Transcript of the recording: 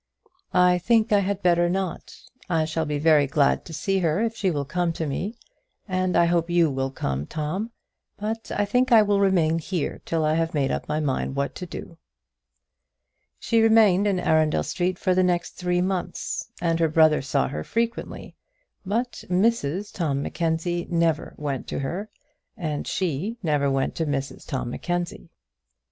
"I think I had better not. I shall be very glad to see her if she will come to me; and I hope you will come, Tom; but I think I will remain here till I have made up my mind what to do." She remained in Arundel Street for the next three months, and her brother saw her frequently; but Mrs Tom Mackenzie never went to her, and she never went to Mrs Tom Mackenzie.